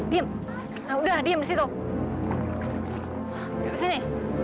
diam diam di sini